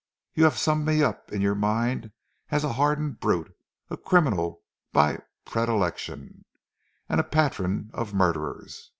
You have summed me up in your mind as a hardened brute, a criminal by predilection, a patron of murderers.